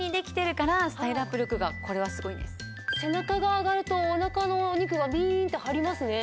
背中が上がるとおなかのお肉がびーんって張りますね。